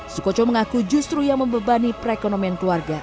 sukoco mengaku justru yang membebani perekonomian keluarga